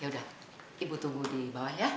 yaudah ibu tunggu di bawah ya